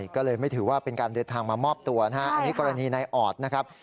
ก็เลยไม่ถือว่าเป็นการเดินทางมามอบตัวนะฮะอันนี้กรณีในออดนะครับ